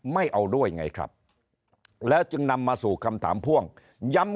ไม่เอาด้วยไงครับแล้วจึงนำมาสู่คำถามพ่วงย้ำ